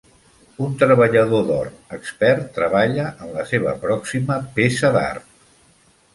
Un treballador d'or expert treballa en la seva pròxima peça d'art.